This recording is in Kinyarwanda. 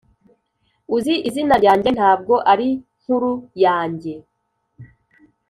uzi izina ryanjye ntabwo arinkuru yanjye.